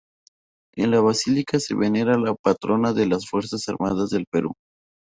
En la Basílica se venera a la Patrona de las Fuerzas Armadas del Perú.